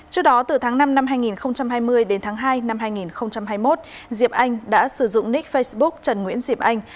trước đó từ tháng năm năm hai nghìn hai mươi đến tháng hai năm hai nghìn hai mươi một diệp anh đã sử dụng nick facebook trần nguyễn diệp anh